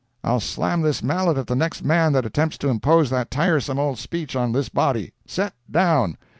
I'll slam this mallet at the next man that attempts to impose that tiresome old speech on this body. SET DOWN!